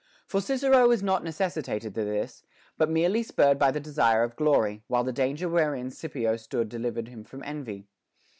For Cicero wras not necessitated to this, but merely spurred by the desire of glory ; while the danger wherein Scipio stood delivered him from envy.